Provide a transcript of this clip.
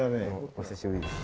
お久しぶりです。